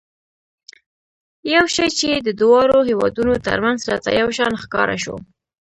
یو شی چې د دواړو هېوادونو ترمنځ راته یو شان ښکاره شو.